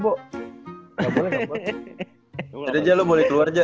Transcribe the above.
tidak ada aja lu boleh keluar aja